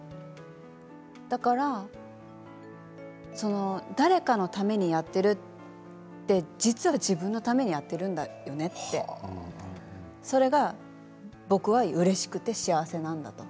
だから誰かのためにやっているってそれは自分のためにやっているんだよねってそれが僕はうれしくて幸せなんだと。